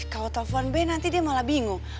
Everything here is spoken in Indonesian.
kalau telepon b nanti dia malah bingung